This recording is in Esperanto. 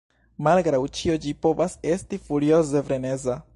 Malgraŭ ĉio ĝi povas esti furioze freneza.